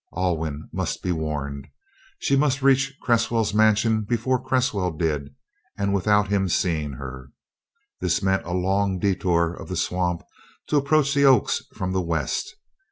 Alwyn must be warned. She must reach Cresswell's mansion before Cresswell did and without him seeing her. This meant a long detour of the swamp to approach the Oaks from the west.